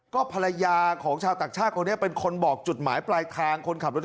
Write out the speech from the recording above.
เขารับชาวต่างชาติคนนี้กับภรรยาใจชาวใส็ก